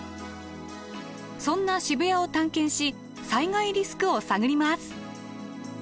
そんな渋谷を探検し災害リスクを探ります！